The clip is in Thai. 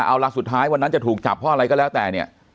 เอาล่ะสุดท้ายวันนั้นจะถูกจับเพราะอะไรก็แล้วแต่เนี่ย